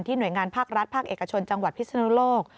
หน่วยงานภาครัฐภาคเอกชนจังหวัดพิศนุโลก